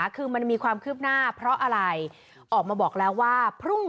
คือมันมีความคืบหน้าเพราะอะไรออกมาบอกแล้วว่าพรุ่ง